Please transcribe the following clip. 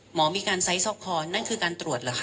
หมอมีการไซส์ซอกคอนั่นคือการตรวจเหรอคะ